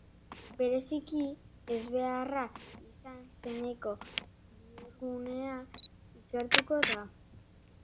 Bereziki, ezbeharra izan zeneko bihurgunea ikertuko da.